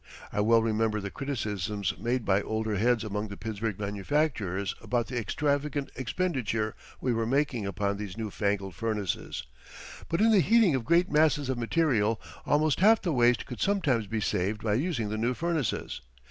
I well remember the criticisms made by older heads among the Pittsburgh manufacturers about the extravagant expenditure we were making upon these new fangled furnaces. But in the heating of great masses of material, almost half the waste could sometimes be saved by using the new furnaces.